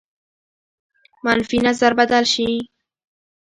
منفي نظر بدل شي.